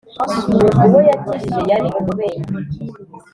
Uwo yakijije yari umubembe